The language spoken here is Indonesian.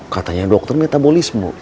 katanya dokter metabolisme